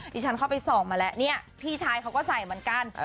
ที่ฉันเข้าไปส่องมาแล้วเนี่ยพี่ชายเขาก็ใส่เหมือนกัน